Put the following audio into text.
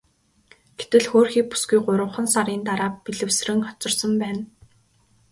Гэтэл хөөрхий бүсгүй гуравхан сарын дараа бэлэвсрэн хоцорсон байна.